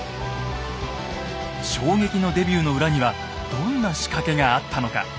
衝撃のデビューの裏にはどんな仕掛けがあったのか。